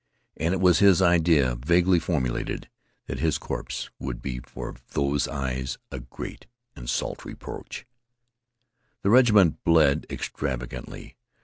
And it was his idea, vaguely formulated, that his corpse would be for those eyes a great and salt reproach. The regiment bled extravagantly.